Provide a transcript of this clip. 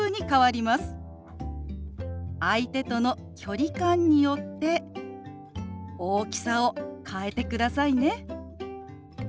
相手との距離感によって大きさを変えてくださいね。